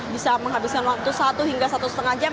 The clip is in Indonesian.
bisa menghabiskan waktu satu hingga satu lima jam